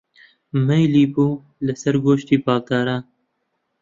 مەیلی بوو لەسەر گۆشتی باڵداران